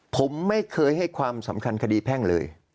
ผมไม่เคยให้ความสำคัญคดีแพ่งเลย